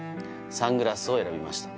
「サングラスを選びました